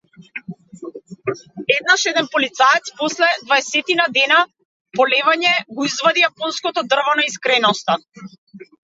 Еднаш еден полицаец, после дваесетина дена полевање, го извади јапонското дрво на искреноста.